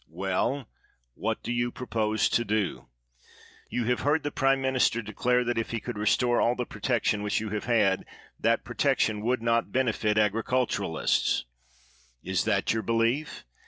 Well, what do you propose to do? You have heard the prime minister declare that, if he could re store all the protection which you have had, that protection would not benefit agi'iculturists. Is that your belief?